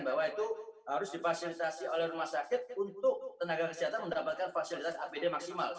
bahwa itu harus difasilitasi oleh rumah sakit untuk tenaga kesehatan mendapatkan fasilitas apd maksimal